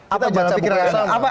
apa jalan pikiran anda